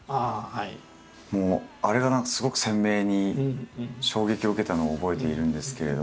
もうあれが何かすごく鮮明に衝撃を受けたのを覚えているんですけれども。